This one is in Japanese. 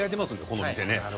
この店ね。